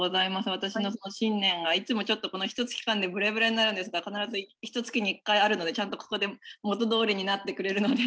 私の信念がいつもちょっとこのひとつき間でぶれぶれになるんですが必ずひとつきに一回あるのでちゃんとここで元どおりになってくれるので。